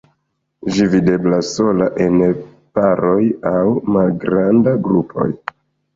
Ĝi videblas sola, en paroj aŭ malgrandaj grupoj.